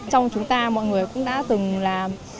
trong chúng ta mọi người cũng đã từng là